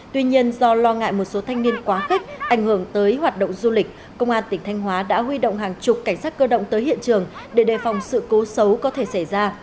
tuy nhiên do lo ngại một số thanh niên quá khích ảnh hưởng tới hoạt động du lịch công an tỉnh thanh hóa đã huy động hàng chục cảnh sát cơ động tới hiện trường để đề phòng sự cố xấu có thể xảy ra